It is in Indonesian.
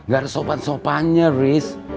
gak ada sopan sopannya riz